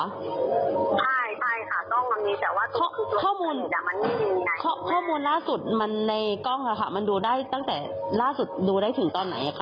ใช่ค่ะกล้องมันมีแต่ว่าทุกข้อมูลล่าสุดมันในกล้องล่ะค่ะมันดูได้ตั้งแต่ล่าสุดดูได้ถึงตอนไหนอ่ะคะ